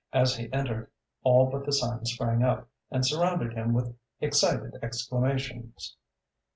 As he entered, all but the son sprang up and surrounded him with excited exclamations.